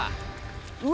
うわ！